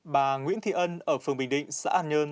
bà nguyễn thị ân ở phường bình định xã an nhơn